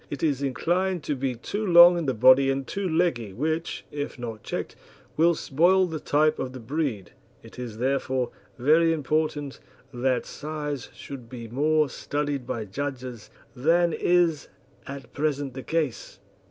It is inclined to be too long in the body and too leggy, which, if not checked, will spoil the type of the breed. It is, therefore, very important that size should be more studied by judges than is at present the case.